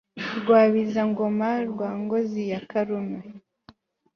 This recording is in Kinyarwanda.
rwabiza-ngoma rwa ngozi ya karume